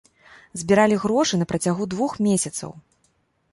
Збіралі грошы на працягу двух месяцаў.